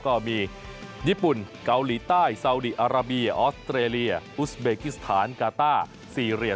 ก็มีญี่ปุ่นเกาหลีใต้ซาวดีอาราเบียออสเตรเลียอุสเบกิสถานกาต้าซีเรีย